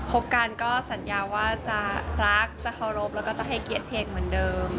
บกันก็สัญญาว่าจะรักจะเคารพแล้วก็จะให้เกียรติเพลงเหมือนเดิม